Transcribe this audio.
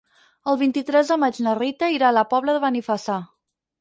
El vint-i-tres de maig na Rita irà a la Pobla de Benifassà.